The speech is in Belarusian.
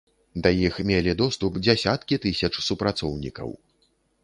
Да іх мелі доступ дзясяткі тысяч супрацоўнікаў.